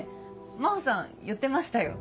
真帆さん言ってましたよ。